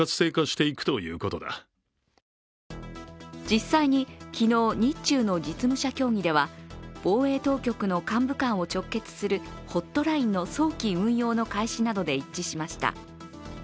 実際に昨日、日中の実務者協議では防衛当局の幹部間を直結するホットラインの早期運用の開始などで一致しました。